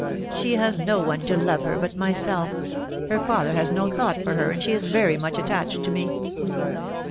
She has no one to love her but myself; her father has no thought for her, and she is very much attached to me!